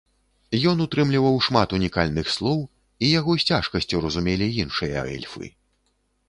Ён утрымліваў шмат унікальных слоў і яго з цяжкасцю разумелі іншыя эльфы.